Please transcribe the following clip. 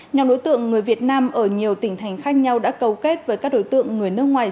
nhóm đối tượng người việt nam ở nhiều tỉnh thành khác nhau đã cấu kết với các đối tượng người nước ngoài